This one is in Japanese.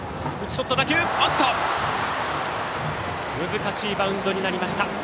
難しいバウンドになりました。